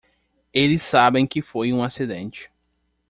Eles sabem que foi um acidente.